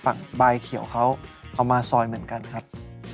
ใบเขียวเขาเอามาซอยเหมือนกันครับ